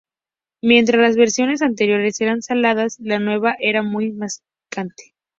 Mientras las versiones anteriores eran saladas, la nueva era mucho más picante.